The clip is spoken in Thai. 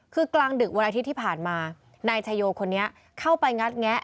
คือกลางดึกวันอาทิตย์ที่ผ่านมานายชายโยคนนี้เข้าไปงัดแงะ